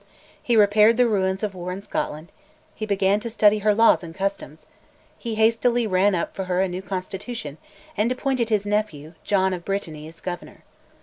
He repaired the ruins of war in Scotland; he began to study her laws and customs; he hastily ran up for her a new constitution, and appointed his nephew, John of Brittany, as governor.